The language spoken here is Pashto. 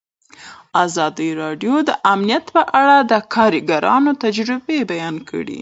ازادي راډیو د امنیت په اړه د کارګرانو تجربې بیان کړي.